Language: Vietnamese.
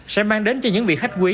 sẽ mang đến cho những vị khách quý